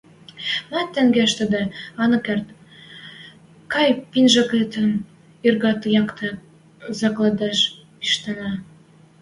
– Мӓ тенге ӹштӹде ана керд: кай, пинжӓкетӹм иргод якте закладеш пиштенӓ.